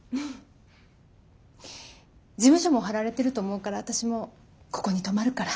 事務所も張られてると思うから私もここに泊まるから。